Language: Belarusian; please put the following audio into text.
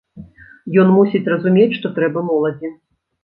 Ён мусіць разумець, што трэба моладзі.